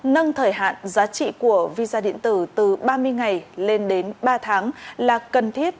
nâng thời hạn giá trị của visa điện tử từ ba mươi ngày lên đến ba tháng là cần thiết